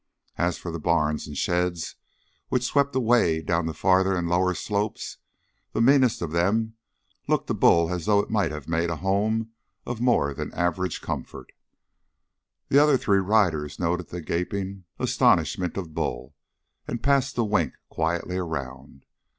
As for the barns and sheds which swept away down the farther and lower slopes, the meanest of them looked to Bull as though it might have made a home of more than average comfort. The three other riders noted the gaping astonishment of Bull and passed the wink quietly around.